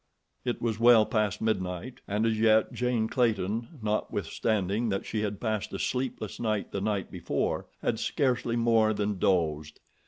It was well past midnight, and as yet Jane Clayton, notwithstanding that she had passed a sleepless night the night before, had scarcely more than dozed.